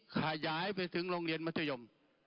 ขยายไปถึงโรงเรียนมัธยม